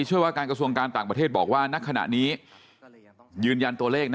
ว่าการกระทรวงการต่างประเทศบอกว่าณขณะนี้ยืนยันตัวเลขนะ